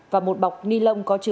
và một bọc ni lông có chứa ma túy